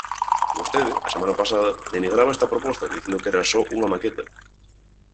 Vostede, a semana pasada, denigraba esta proposta dicindo que era só unha maqueta.